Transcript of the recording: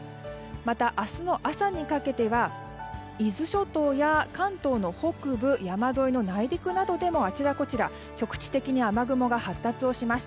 また、明日の朝にかけては伊豆諸島や関東の北部山沿いの内陸部などでもあちらこちら局地的に雨雲が発達します。